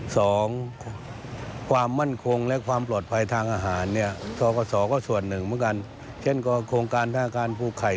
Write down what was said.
สองความมั่นคงและความปลอดภัยทางอาหาร